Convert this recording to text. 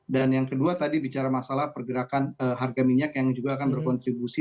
dan yang kedua tadi bicara masalah pergerakan harga minyak yang juga akan berkontribusi